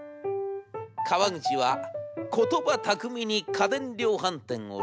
川口は言葉巧みに家電量販店を籠絡。